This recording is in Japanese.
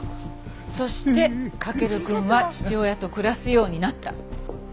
そして駆くんは父親と暮らすようになった。